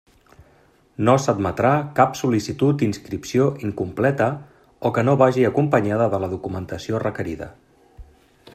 No s'admetrà cap sol·licitud d'inscripció incompleta o que no vagi acompanyada de la documentació requerida.